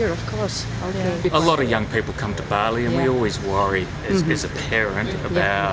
banyak orang muda datang ke bali dan kami selalu khawatir sebagai orang tua